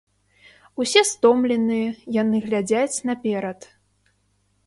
Усе стомленыя, яны глядзяць наперад.